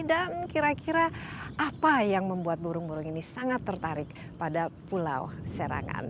dan kira kira apa yang membuat burung burung ini sangat tertarik pada pulau serangan